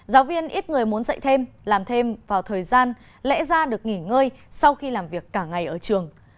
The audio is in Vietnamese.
giáo viên ít người muốn dạy thêm làm thêm vào thời gian lẽ ra được nghỉ ngơi sau khi làm việc cả ngày ở trường